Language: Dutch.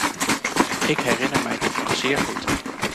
Ik herinner mij dit nog zeer goed.